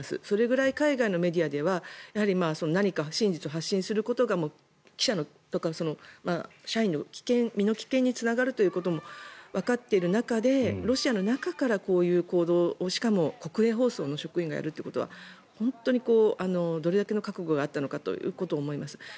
それぐらい海外のメディアではやはり何か真実を発信することが記者とか社員の身の危険につながるということもわかっている中でロシアの中からこういう行動をしかも国営放送の職員がやるというのは本当にどれだけの覚悟があったのかと思います。